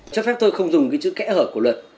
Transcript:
chắc phép tôi không dùng cái chữ kẽ hợp của luật